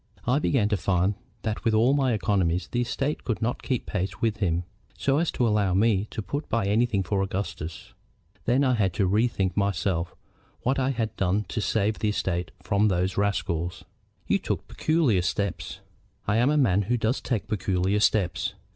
I began to find that with all my economies the estate could not keep pace with him, so as to allow me to put by anything for Augustus. Then I had to bethink myself what I had to do to save the estate from those rascals." "You took peculiar steps." "I am a man who does take peculiar steps.